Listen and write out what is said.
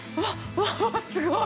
うわっすごい！